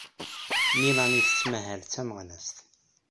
Melanie tettmahal d taneɣmast.